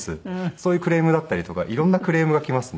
そういうクレームだったりとか色んなクレームが来ますね。